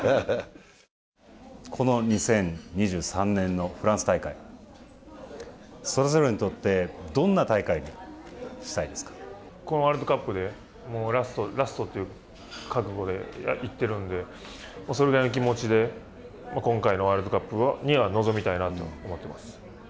この２０２３年のフランス大会それぞれにとってこのワールドカップでラストという覚悟でいってるんでそれぐらいの気持ちで今回のワールドカップには臨みたいなと思ってます。